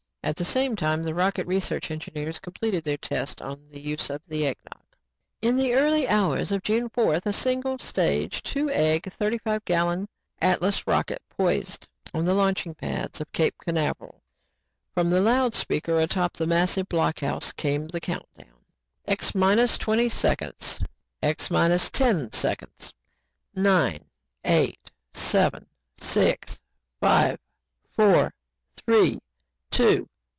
At the same time, rocket research engineers completed their tests on the use of the Eggnog. In the early hours of June 4th, a single stage, two egg, thirty five gallon Atlas rocket poised on the launching pads at Cape Canaveral. From the loud speaker atop the massive block house came the countdown. "X minus twenty seconds. X minus ten seconds. Nine ... eight ... seven ... six ... five ... four ... three ... two